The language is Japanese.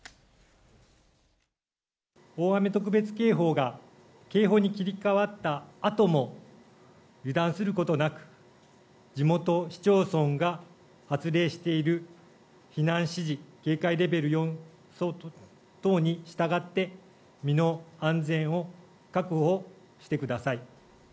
大雨特別警報が警報に切り替わったあとも、油断することなく、地元市町村が発令している避難指示、警戒レベル４等に従って、身の安全を確保してください。